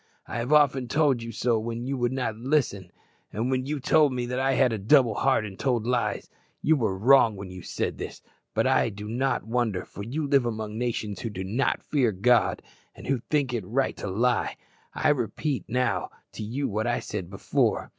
I have often told you so when you would not listen, and when you told me that I had a double heart and told lies. You were wrong when you said this; but I do not wonder, for you live among nations who do not fear God, and who think it right to lie. I now repeat to you what I said before.